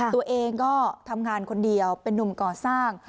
ตัวเองก็ทำงานคนเดียวเป็นนุ่มก่อสร้าง